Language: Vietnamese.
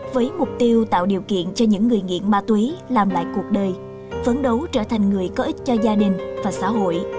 với mục tiêu tạo điều kiện cho những người nghiện ma túy làm lại cuộc đời phấn đấu trở thành người có ích cho gia đình và xã hội